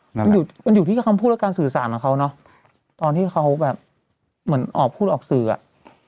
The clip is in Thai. มันอยู่มันอยู่ที่คำพูดและการสื่อสารของเขาเนอะตอนที่เขาแบบเหมือนออกพูดออกสื่ออ่ะ